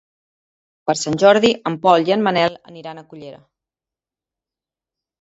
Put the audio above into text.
Per Sant Jordi en Pol i en Manel iran a Cullera.